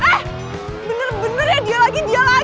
saya mau beri pelajaran